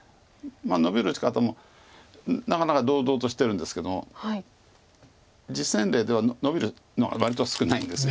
ノビる打ち方もなかなか堂々としてるんですけども実戦例ではノビるのが割と少ないんです。